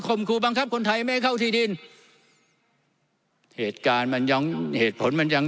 ครูบังคับคนไทยไม่ให้เข้าที่ดินเหตุการณ์มันยังเหตุผลมันยัง